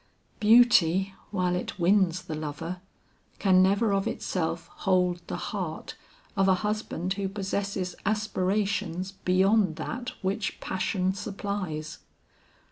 Beauty, while it wins the lover, can never of itself hold the heart of a husband who possesses aspirations beyond that which passion supplies.